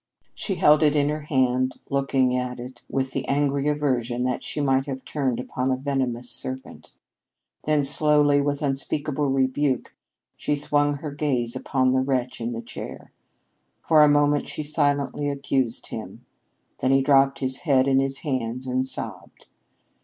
She held it in her hand, looking at it with the angry aversion that she might have turned upon a venomous serpent. Then slowly, with unspeakable rebuke, she swung her gaze upon the wretch in the chair. For a moment she silently accused him. Then he dropped his head in his hands and sobbed.